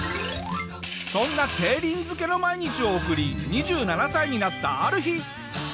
そんな競輪漬けの毎日を送り２７歳になったある日。